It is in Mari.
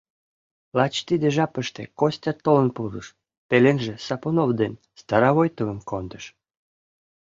Лач тиде жапыште Костя толын пурыш, пеленже Сапунов ден Старовойтовым кондыш.